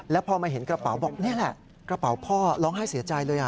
แล้วพอมาเห็นกระเป๋าบอกนี่แหละกระเป๋าพ่อร้องไห้เสียใจเลย